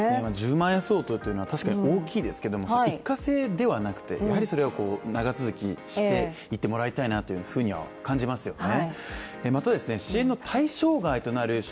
１０万円相当というのは確かに大きいですけれども、一過性ではなくてやはりそれを長続きしていってもらいたいなというふうには感じますよね。